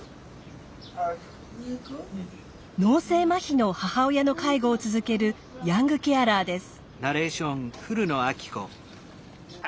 脳性麻痺の母親の介護を続けるヤングケアラーです。